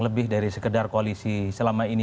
lebih dari sekedar koalisi selama ini